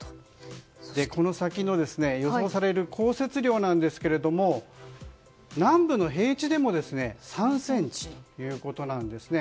この先、予想される降雪量ですが南部の平地でも３ｃｍということなんですね。